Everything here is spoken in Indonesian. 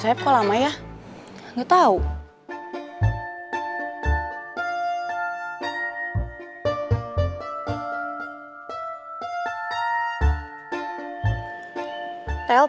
coba biar enggak ada gas disini